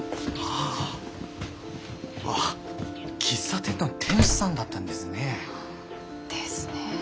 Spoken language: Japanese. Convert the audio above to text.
あっ喫茶店の店主さんだったんですね。ですね。